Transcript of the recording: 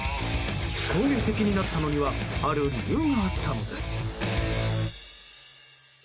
攻撃的になったのにはある理由があったのです。